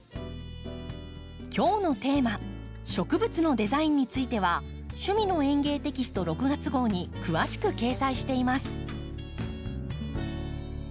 今日のテーマ「植物のデザイン」については「趣味の園芸」テキスト６月号に詳しく掲載しています。